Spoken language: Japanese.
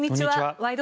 「ワイド！